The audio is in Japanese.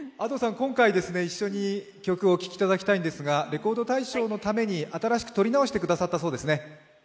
今回、一緒に曲を聞いていただきたいんですが、レコード大賞のために新しく録り直してくださったそうですね。